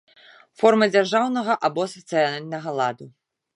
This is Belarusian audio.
Форма дзяржаўнага або сацыяльнага ладу.